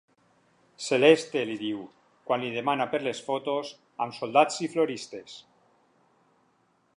Celeste —li diu, quan li demana per les fotos amb soldats i floristes—.